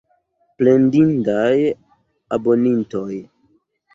Plendindaj abonintoj!